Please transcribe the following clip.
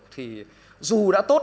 thì dù đã tốt